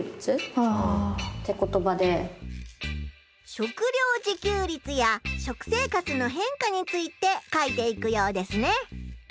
食料自給率や食生活のへんかについて書いていくようですね。